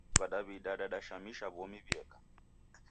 W'adaw'ida dadashamisha w'omi w'ieka.